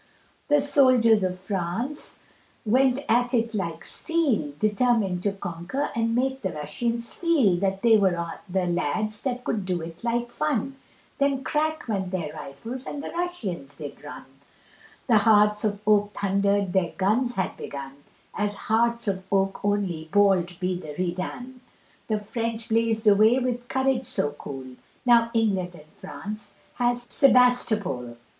The soldiers of France went at it like steel, Determined to conquer and make the Russians feel, That they were the lads that could do it like fun, Then crack went their rifles and the Russians did run; The hearts of oak thundered, their guns had began, As hearts of oak only ball'd at the Redan; The French blaz'd away with courage so cool, Now England and France has Sebastopol.